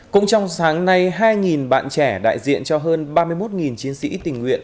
cũng trong sáng nay hai bạn trẻ đại diện cho hơn ba mươi một chiến sĩ tình nguyện